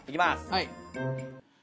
はい。